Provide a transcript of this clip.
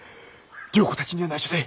良子たちにはないしょで。